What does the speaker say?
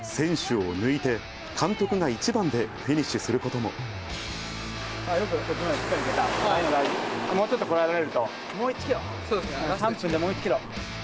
もうちょっとこらえると、もう１キロ、３分でもう１キロ。